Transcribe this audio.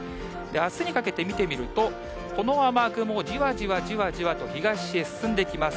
あすにかけて見てみると、この雨雲、じわじわじわじわ東へ進んできます。